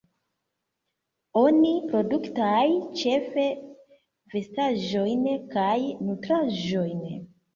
Oni produktaj ĉefe vestaĵojn kaj nutraĵojn.